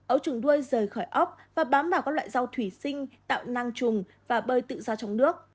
ấu trủng đuôi rời khỏi ốc và bám vào các loại rau thủy sinh tạo nang trùng và bơi tự ra trong nước